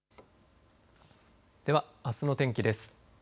では、あすの天気です。